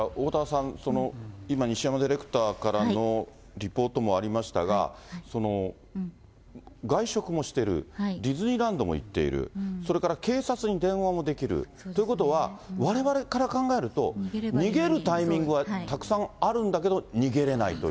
さん、今、西山ディレクターからのリポートもありましたが、外食もしてる、ディズニーランドも行っている、それから警察に電話もできる。ということは、われわれから考えると、逃げるタイミングはたくさんあるんだけど、逃げれないという。